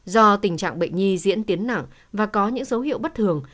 do tình trạng bệnh nhi diễn tiến nặng và có những dấu hiệu bất thường